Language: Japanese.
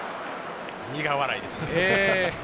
苦笑いですね。